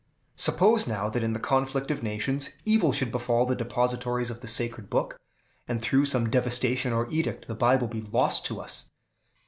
Suppose now, that in the conflict of nations, evil should befall the depositories of the sacred Book, and, through some devastation or edict, the Bible be lost to us.